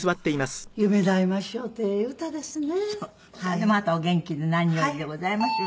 でもあなたお元気で何よりでございますよね。